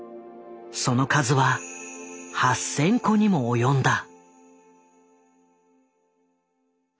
その数は８，０００個にも及んだ。